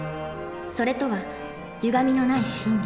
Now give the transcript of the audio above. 「それ」とはゆがみのない真理。